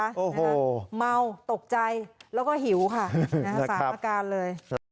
โอ้โหเมาตกใจแล้วก็หิวค่ะสามการเลย